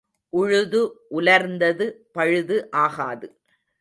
உழுது உலர்ந்தது பழுது ஆகாது.